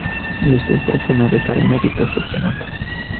Este o propunere care merită susținută.